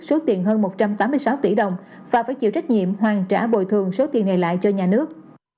số tiền hơn một trăm tám mươi sáu tỷ đồng và phải chịu trách nhiệm hoàn trả bồi thường số tiền này lại cho nhà nước